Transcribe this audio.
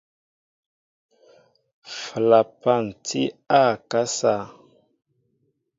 Flapan tí a akasá.